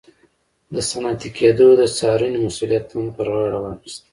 د صنعتي کېدو د څارنې مسوولیت هم پر غاړه واخیست.